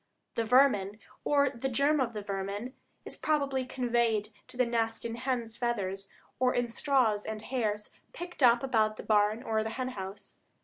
The vermin, or the germ of the vermin, is probably conveyed to the nest in hen's feathers, or in straws and hairs picked up about the barn or hen house.